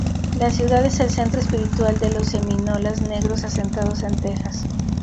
La ciudad es el centro espiritual de los semínolas negros asentados en Texas.